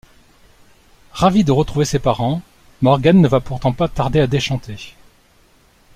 Ravi de retrouver ses parents, Morgan ne va pourtant pas tarder à déchanter.